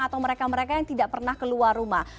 atau mereka mereka yang tidak pernah keluar rumah